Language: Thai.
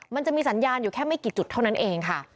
มันจะมีสัญญาณอยู่แค่ไม่กี่จุดเท่านั้นเองค่ะ